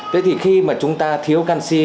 thế thì khi mà chúng ta thiếu canxi